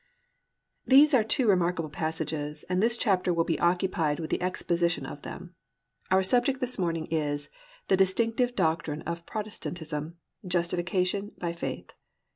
These are two remarkable passages and this chapter will be occupied with an exposition of them. Our subject this morning is, The Distinctive Doctrine of Protestantism: Justification by Faith.